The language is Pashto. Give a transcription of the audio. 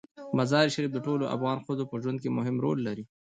مزارشریف د ټولو افغان ښځو په ژوند کې مهم رول لري.